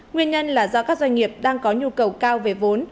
nguyên nhân là do các doanh nghiệp đang có nhu cầu cao về vốn